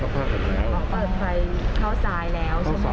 เขาเปิดไฟเข้าซ้ายแล้วใช่ไหมคะข้อซ้ายแล้วอ๋อ